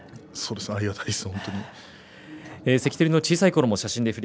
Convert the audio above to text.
ありがたいです